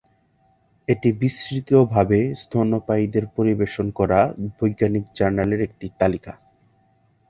এটি বিস্তৃতভাবে স্তন্যপায়ীদের পরিবেশন করা বৈজ্ঞানিক জার্নালের একটি তালিকা।